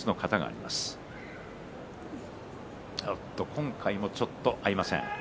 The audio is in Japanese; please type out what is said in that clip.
今回もちょっと合いません。